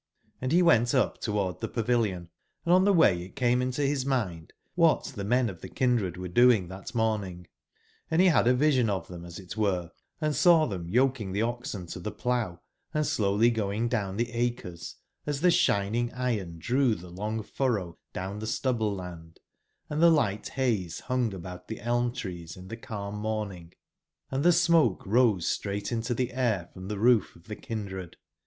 Hndbewentuptowardtbe pavilion ; an don tbe way it came into bis mindwbat tbe men of tbe kindred were doing tbat morning ;& be bad a vision of tbem as it were, and saw tbem yok ing tbe oxen to tbe plougb, and slowly going down tbe acres, as tbe sbining iron drew tbe long furrow down tbe stubble/land, and tbe ligbt baze bung a bout tbe elm/ trees in tbe calm morning, & tbe smoke rose straight into tbe air from tbe roof of tbe kin dred.